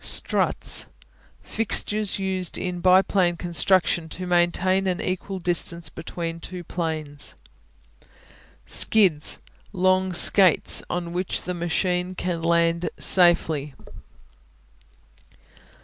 Struts Fixtures used in biplane construction to maintain an equal distance between two planes. Skids Long skates on which the machine can land in safety.